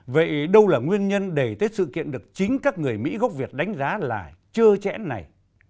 vậy đâu là nguyên nhân đẩy tới sự kiện được chính các người mỹ gốc việt đánh giá là chưa chẽn này